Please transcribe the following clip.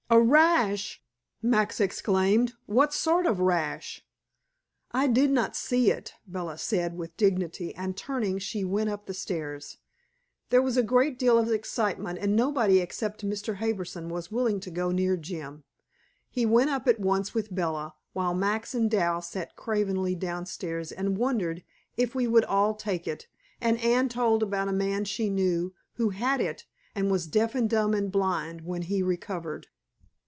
"A rash!" Max exclaimed. "What sort of rash?" "I did not see it," Bella said with dignity, and turning, she went up the stairs. There was a great deal of excitement, and nobody except Mr. Harbison was willing to go near Jim. He went up at once with Bella, while Max and Dal sat cravenly downstairs and wondered if we would all take it, and Anne told about a man she knew who had it, and was deaf and dumb and blind when he recovered.